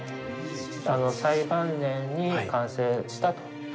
最晩年に完成したと。